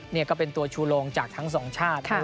นี่ก็เป็นตัวชูลงจากทั้งสองชาติ